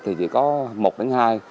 thì chỉ có một đến hai